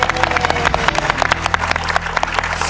ถูก